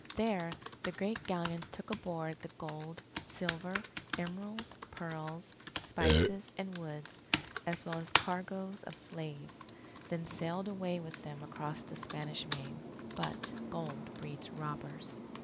There the great Galleons took aboard the gold, silver, emeralds, pearls, spices, and woods, as well as cargoes of slaves, then sailed away with them across the Spanish Main. But gold breeds robbers.